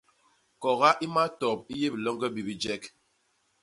Koga i matop i yé biloñge bi bijek.